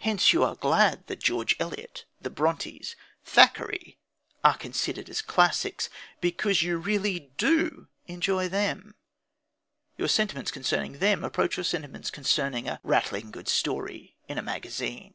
Hence you are glad that George Eliot, the Brontës, Thackeray, are considered as classics, because you really do enjoy them. Your sentiments concerning them approach your sentiments concerning a "rattling good story" in a magazine.